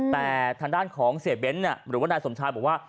แต่ทางด้านของเสียเบ้นหรือว่านายสมชายบอกว่า